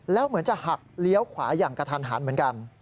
แล้วเหมือนจะหักเลี้ยวขวาอย่างกระทันหันเหมือนกัน